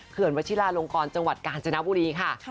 วัชิลาลงกรจังหวัดกาญจนบุรีค่ะ